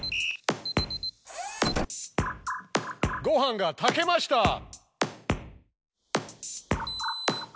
ごはんが炊けました！